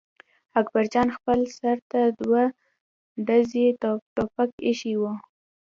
اکبر جان خپل سر ته دوه ډزي ټوپک اېښی و.